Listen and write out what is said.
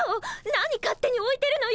何勝手においてるのよ！